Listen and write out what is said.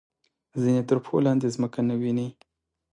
ځینې تر پښو لاندې ځمکه نه ویني.